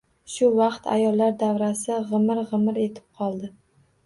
Shu vaqt ayollar davrasi g‘imir-g‘imir etib qoldi.